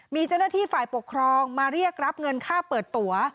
มีเจ้าหน้าที่ฝ่ายปกครองมาเรียกรับเงินค่าเปิดตัว